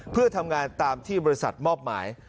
เพื่อทำงานตามที่บริษัทมอบหมาย